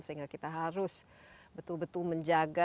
sehingga kita harus betul betul menjaga